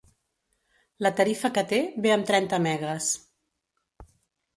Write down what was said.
La tarifa que té ve amb trenta mb.